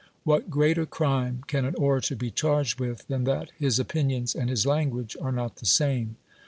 What greater crime can an orator be charged with than that his opinions and his language are not the same